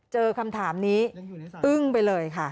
เจอคำถามนี้อึ้งไปเลยค่ะ